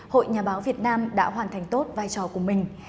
hội nhà báo việt nam đã hoàn thành tốt vai trò của mình